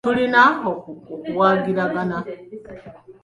Tulina okuwagiragana